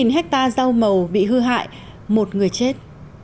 một hectare rau màu bị hư hại một người chết